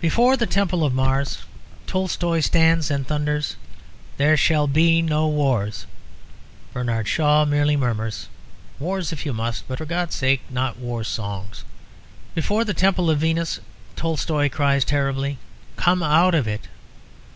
Before the temple of Mars, Tolstoy stands and thunders, "There shall be no wars"; Bernard Shaw merely murmurs, "Wars if you must; but for God's sake, not war songs." Before the temple of Venus, Tolstoy cries terribly, "Come out of it!"